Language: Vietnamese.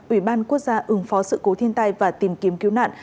ủy ban quốc gia ứng phó sự cố thiên tai và tìm kiếm cứu nạn